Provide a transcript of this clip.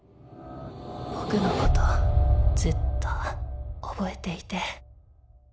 僕のことずっと覚えていて。